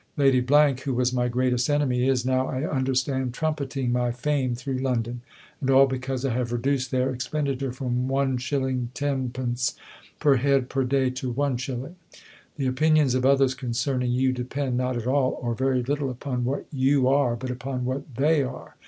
Lady , who was my greatest enemy, is now, I understand, trumpeting my fame through London. And all because I have reduced their expenditure from 1s. 10d. per head per day to 1s. The opinions of others concerning you depend, not at all, or very little, upon what you are, but upon what they are.